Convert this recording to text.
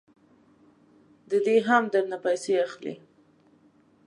ددې هم درنه پیسې اخلي.